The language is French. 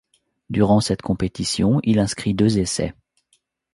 Durant cette compétition, il inscrit deux essais.